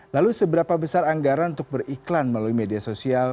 lalu seberapa besar anggaran untuk beriklan melalui media sosial